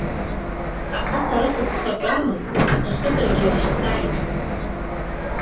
Аха сара сыццакуамызт аҭахызаргьы илашьцааит.